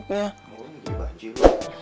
gue mau nyari banjir